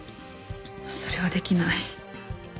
それはできない。